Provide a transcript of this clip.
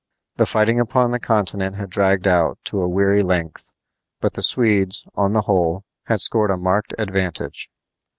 The fighting upon the Continent had dragged out to a weary length, but the Swedes, on the whole, had scored a marked advantage.